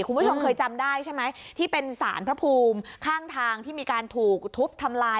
คุณผู้ชมเคยจำได้ใช่ไหมที่เป็นสารพระภูมิข้างทางที่มีการถูกทุบทำลาย